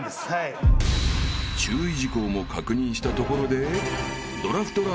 ［注意事項も確認したところで］